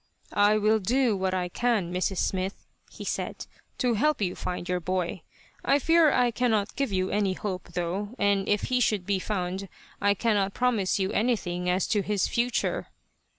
"I will do what I can, Mrs. Smith" he said, "to help you find your boy. I fear I cannot give you any hope, though, and if he should be found I cannot promise you anything as to his future."